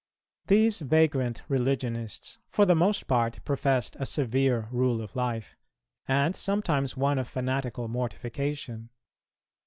These vagrant religionists for the most part professed a severe rule of life, and sometimes one of fanatical mortification.